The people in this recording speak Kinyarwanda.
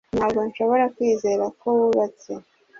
Ntabwo nshobora kwizera ko wubatse